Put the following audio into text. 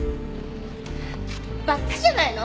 バッカじゃないの？